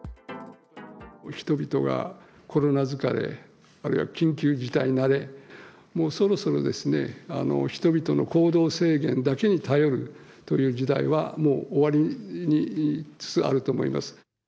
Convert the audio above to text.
人々がコロナ疲れ、あるいは緊急事態慣れ、もうそろそろですね、人々の行動制限だけに頼るという時代は、もう終わりつつあると思います。